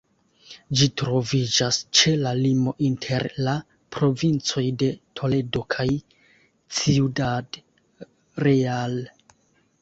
Ĝi troviĝas ĉe la limo inter la provincoj de Toledo kaj Ciudad Real.